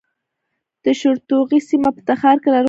د شورتوغۍ سیمه په تخار کې لرغونې ده